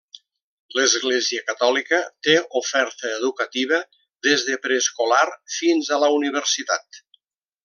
L'Església Catòlica té oferta educativa des de preescolar fins a la universitat.